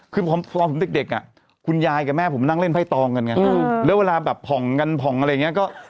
คือพอผมเด็กอ่ะคุณยายกับแม่ผมนั่งเล่นไพ่ตองกันไงแล้วเวลาแบบผ่องกันผ่องอะไรอย่างนี้ก็